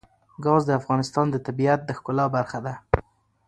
ګاز د افغانستان د طبیعت د ښکلا برخه ده.